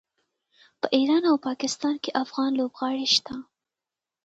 په ایران او پاکستان کې افغان لوبغاړي شته.